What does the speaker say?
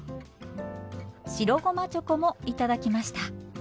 白ごまチョコも頂きました。